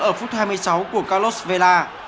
ở phút hai mươi sáu của carlos vela